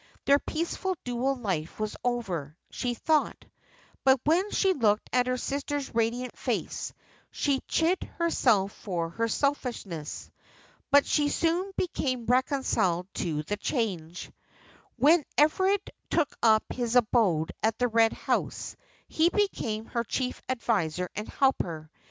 Their peaceful dual life was over, she thought; but when she looked at her sister's radiant face she chid herself for her selfishness. But she soon became reconciled to the change. When Everard took up his abode at the Red House he became her chief adviser and helper.